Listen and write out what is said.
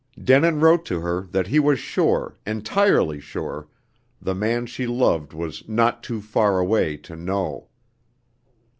Denin wrote to her that he was sure, entirely sure, the man she loved was "not too far away to know."